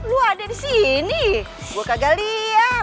lo ada di sini gue kagak liat